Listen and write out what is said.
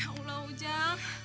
ya allah ujang